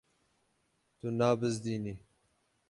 Tu nabizdînî.